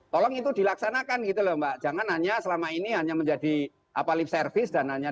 dua ribu dua puluh tolong itu dilaksanakan gitu mbak jangan hanya selama ini hanya menjadi apa lip service dan hanya